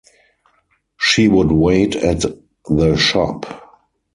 She would wait at the “shop”.